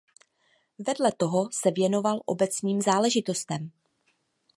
Vedle toho se věnoval obecním záležitostem.